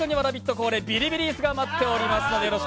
恒例ビリビリ椅子が待っています。